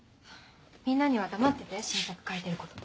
みんなには黙ってて新作描いてること。